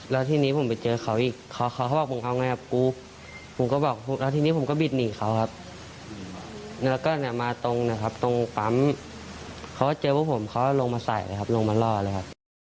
แล้วทีนี้ผมไปเจอเขาอีกเขาบอกผมเอาไงกับกูผมก็บอกแล้วทีนี้ผมก็บิดหนีเขาครับแล้วก็เนี่ยมาตรงนะครับตรงปั๊มเขาก็เจอพวกผมเขาลงมาใส่เลยครับลงมาล่อเลยครับ